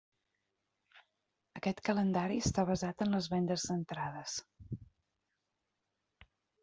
Aquest calendari està basat en les vendes d'entrades.